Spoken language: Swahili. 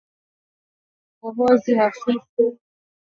Kikohozi hafifu kupumua juujuu na kwa kasi